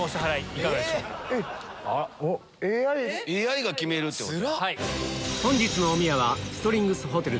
えっ⁉ＡＩが決めるってこと⁉